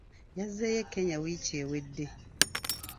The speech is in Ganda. Yazzeeyo e Kenya wiiki ewedde.